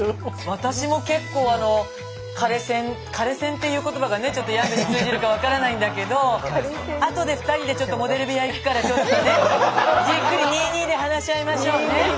私も結構あの枯れ専っていう言葉がねちょっとヤングに通じるか分からないんだけどあとで２人でちょっとモデル部屋行くからちょっとねじっくり２・２で話し合いましょうね。